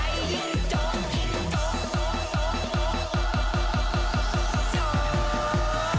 ยิ่งโจ๊กโจ๊กโจ๊กโจ๊ก